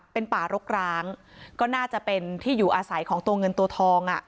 เป็นป่ารกร้างก็น่าจะเป็นที่อยู่อาศัยของตัวเงินตัวทองอ่ะ